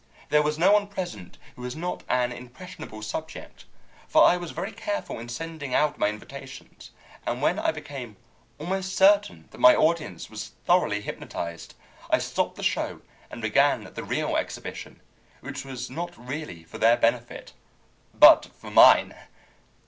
"There was no one present who was not an impressionable subject, for I was very careful in sending out my invitations, and when I became almost certain that my audience was thoroughly hypnotized, I stopped the show and began the real exhibition, which was not really for their benefit, but for mine.